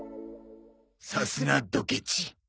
さすがドケチ。